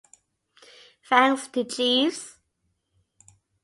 Thanks to Jeeves.